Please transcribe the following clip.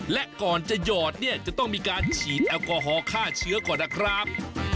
และก่อนจะหยอดเนี่ยจะต้องมีการฉีดแอลกอฮอลฆ่าเชื้อก่อนนะครับ